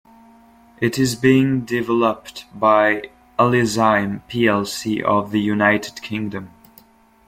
It is being developed by Alizyme plc of the United Kingdom.